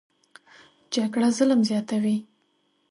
جګړه ظلم زیاتوي